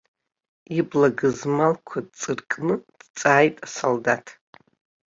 Ибла гызмалқәа ҵыркны дҵааит асолдаҭ.